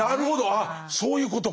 あっそういうことか。